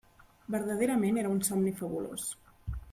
Verdaderament era un somni fabulós.